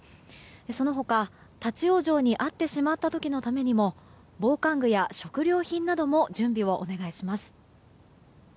その他、立ち往生に遭ってしまった時のためにも防寒具や食料品なども準備をお願いします。